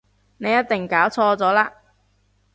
你一定搞錯咗喇